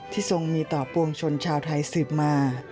ทรงมีต่อปวงชนชาวไทยสืบมา